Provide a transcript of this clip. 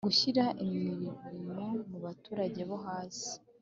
Gushyira Imirimo muba turage bo hasi